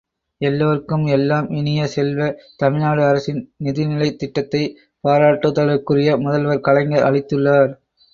எல்லார்க்கும் எல்லாம் இனிய செல்வ, தமிழ்நாடு அரசின் நிதிநிலைத் திட்டத்தை, பாராட்டுதலுக்குரிய முதல்வர் கலைஞர் அளித்துள்ளார்.